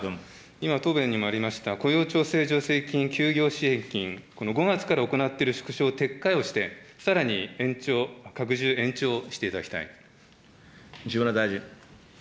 今、答弁にもありました、雇用調整助成金、休業支援金、この５月から行っている縮小を撤回をして、さらに延長、拡充、延長し西村大臣。